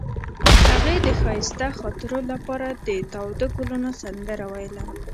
هغې د ښایسته خاطرو لپاره د تاوده ګلونه سندره ویله.